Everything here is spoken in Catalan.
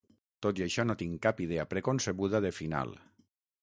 Tot i això, no tinc cap idea preconcebuda de final.